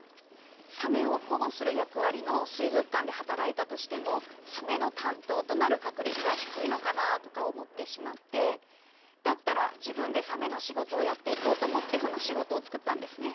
サメを保護する役割の水族館で働いたとしてもサメの担当となる確率は低いのかなあとか思ってしまってだったら自分でサメの仕事をやっていこうと思ってこの仕事を作ったんですね。